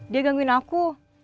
dia gangguin aku